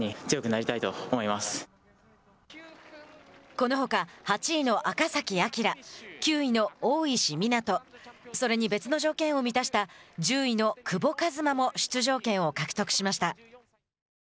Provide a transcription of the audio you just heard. このほか、８位の赤崎暁９位の大石港与、それに別の条件を満たした１０位の久保和馬も出場権を獲得しました。